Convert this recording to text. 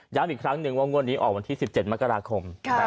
อีกครั้งหนึ่งว่างวดนี้ออกวันที่๑๗มกราคม